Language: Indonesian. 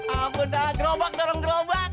ampun dah gerobak dorong gerobak